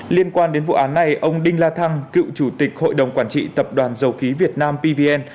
liên quan đến vụ án này ông đinh la thăng cựu chủ tịch hội đồng quản trị tập đoàn dầu khí việt nam pvn